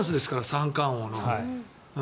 三冠王の。